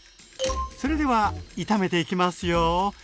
それでは炒めていきますよ。